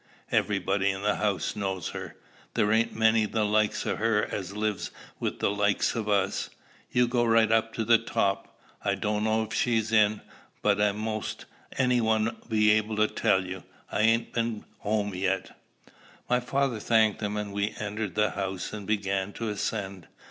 "Everybody in the house knows her. There ain't many the likes o' her as lives wi' the likes of us. You go right up to the top. I don't know if she's in, but a'most any one'll be able to tell you. I ain't been home yet." My father thanked him, and we entered the house, and began to ascend.